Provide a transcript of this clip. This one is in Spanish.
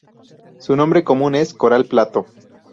Su nombre común es "coral plato".